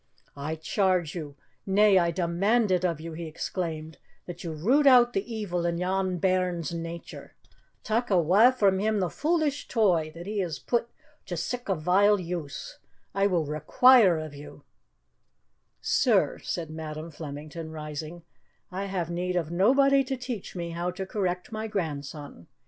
"I charge you nay, I demand it of you," he exclaimed "that you root out the evil in yon bairn's nature! Tak' awa' from him the foolish toy that he has put to sic' a vile use. I will require of you " "Sir," said Madam Flemington, rising, "I have need of nobody to teach me how to correct my grandson.